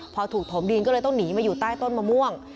พอถูกถมดินก็เลยต้องหนีมาอยู่ใต้ต้นมะม่วง